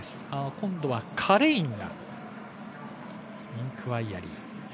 今度はカレインがインクワイアリー。